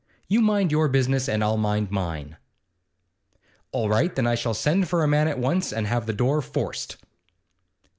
You mind your business, and I'll mind mine.' 'All right. Then I shall send for a man at once, and have the door forced.